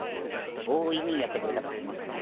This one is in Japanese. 大いにやってくれたまえ。